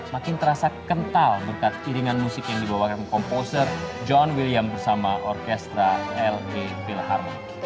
makin terasa kental berkat kiringan musik yang dibawakan komposer john william bersama orkestra l a philharmonic